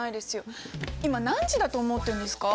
今何時だと思ってるんですか？